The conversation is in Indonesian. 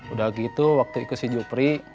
udah gitu waktu ikut si jupri